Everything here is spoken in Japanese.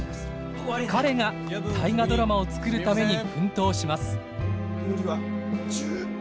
彼が「大河ドラマ」を作るために奮闘します。